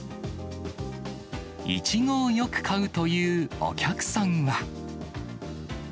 イチゴをよく買うというお客さんは。